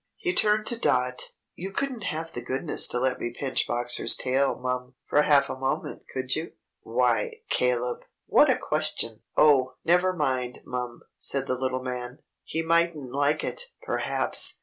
He turned to Dot. "You couldn't have the goodness to let me pinch Boxer's tail, mum, for half a moment, could you?" "Why, Caleb! What a question!" "Oh, never mind, mum," said the little man. "He mightn't like it, perhaps.